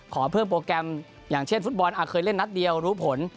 ขอเพิ่มโปรแกรมอย่างเช่นฟุตบอลเคยเล่นนัดเดียวรู้ผล